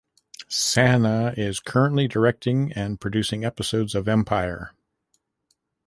Sanaa is currently directing and producing episodes of Empire.